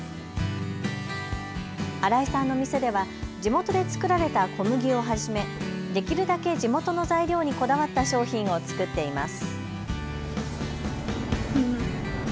新井さんの店では地元で作られた小麦をはじめ、できるだけ地元の材料にこだわった商品を作っています。